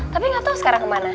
tapi gatau sekarang kemana